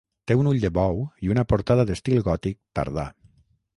Té un ull de bou i una portada d'estil gòtic tardà.